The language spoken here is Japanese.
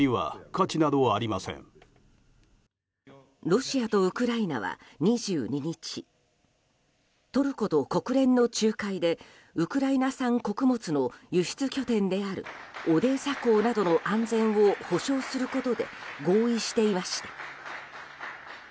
ロシアとウクライナは２２日トルコと国連の仲介でウクライナ産穀物の輸出拠点であるオデーサ港などの安全を保障することで合意していました。